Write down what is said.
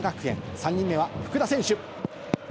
３人目は福田選手。